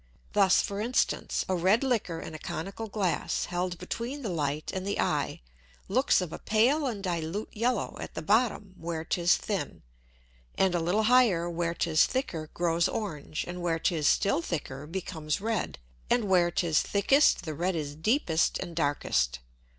Thus, for instance, a red Liquor in a conical Glass held between the Light and the Eye, looks of a pale and dilute yellow at the bottom where 'tis thin, and a little higher where 'tis thicker grows orange, and where 'tis still thicker becomes red, and where 'tis thickest the red is deepest and darkest.